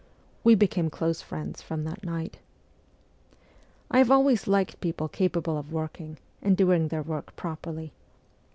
We became close friends from that night. I have always liked people capable of working, and doing their work properly.